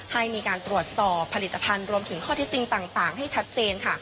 ให้มีการตรวจสอบผลิตภัณฑ์รวมถึงข้อเท็จจริงต่างให้ชัดเจนค่ะ